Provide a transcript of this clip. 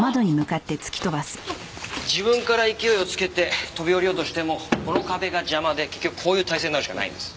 自分から勢いをつけて飛び降りようとしてもこの壁が邪魔で結局こういう体勢になるしかないんです。